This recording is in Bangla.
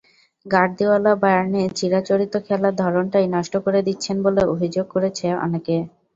গার্দিওলা, বায়ার্নের চিরাচরিত খেলার ধরনটাই নষ্ট করে দিচ্ছেন বলে অভিযোগ করেছে অনেকে।